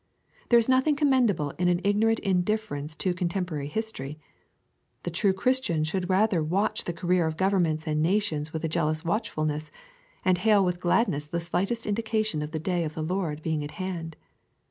There is nothing commendable in an ignorant indifference to co« temporary history. The true Christian should rather watch the career of governments and nations with a jealous watchfulness, and hail with gladness the slightest indication of the day of the Lord being at hand.